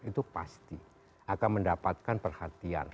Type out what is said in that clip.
itu pasti akan mendapatkan perhatian